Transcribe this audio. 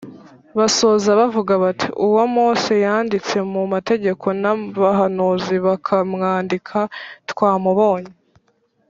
. Basoza bavuga bati, “Uwo Mose yanditse mu mategeko, n’abahanuzi bakamwandika, twamubonye.